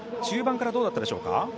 中盤からどうだったでしょうか？